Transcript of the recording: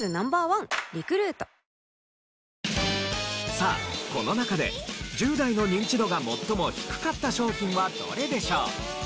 さあこの中で１０代のニンチドが最も低かった商品はどれでしょう？